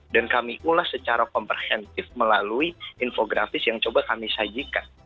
dan kami ulas secara komprehensif melalui infografis yang coba kami sajikan